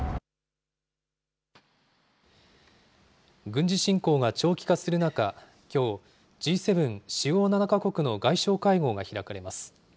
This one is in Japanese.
軍事侵攻が長期化する中、きょう、Ｇ７・主要７か国の外相会合が開かれます。